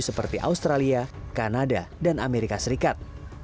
seperti australia kanada dan amerika serikat